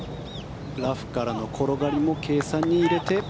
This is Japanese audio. ラフからの転がりも計算に入れて。